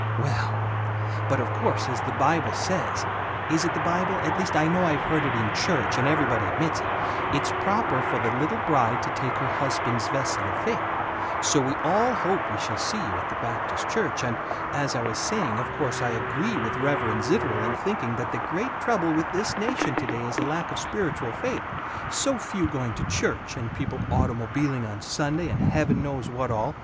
"Well But of course as the Bible says, is it the Bible, at least I know I have heard it in church and everybody admits it, it's proper for the little bride to take her husband's vessel of faith, so we all hope we shall see you at the Baptist Church and As I was saying, of course I agree with Reverend Zitterel in thinking that the great trouble with this nation today is lack of spiritual faith so few going to church, and people automobiling on Sunday and heaven knows what all.